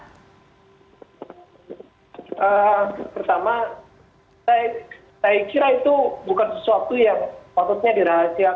pertama saya kira itu bukan sesuatu yang patutnya dirahasiakan